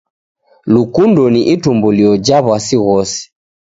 Lukundo ni itumbulio ja w'asi ghose.